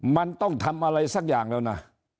มันต้องทำอะไรสักอย่างแล้วนะ